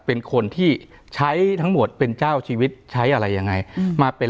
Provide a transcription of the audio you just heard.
เป็นคนที่ใช้ทั้งหมดเป็นเจ้าชีวิตใช้อะไรยังไงมาเป็น